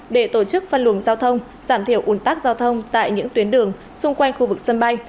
để tổ chức phân luồng giao thông giảm thiểu ủn tắc giao thông tại những tuyến đường xung quanh khu vực sân bay